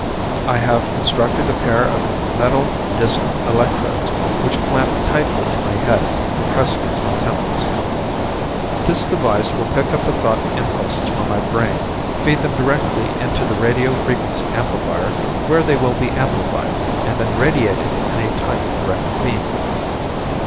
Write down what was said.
I have constructed a pair of metal disc electrodes which clamp tightly to my head and press upon my temples. This device will pick up the thought impulses from my brain, feed them directly into the radio frequency amplifier, where they will be amplified, and then radiated in a tight directed beam.